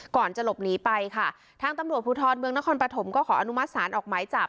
ก่อนจะหลบหนีไปค่ะทางตำรวจภูทรเมืองนครปฐมก็ขออนุมัติศาลออกหมายจับ